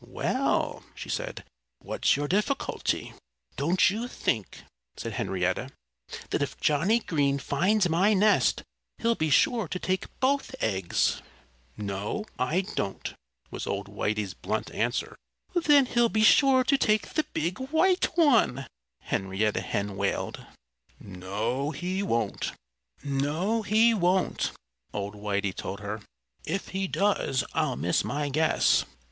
"Well!" she said. "What's your difficulty?" "Don't you think," said Henrietta, "that if Johnnie Green finds my nest he'll be sure to take both eggs?" "No, I don't," was old Whitey's blunt answer. "Then he'll be sure to take the big, white one," Henrietta Hen wailed. "No, he won't," old Whitey told her. "If he does, I'll miss my guess."